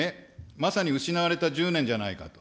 まさに失われた１０年じゃないかと。